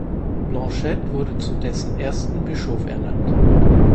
Blanchet wurde zu dessen ersten Bischof ernannt.